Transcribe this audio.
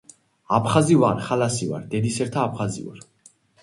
აფხაზი ვარ, ხალასი ვარ, დედისერთა აფხაზი ვარ.